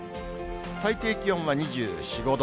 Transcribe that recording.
最低気温が２４、５度。